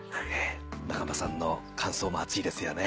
仲間さんの感想も熱いですよね。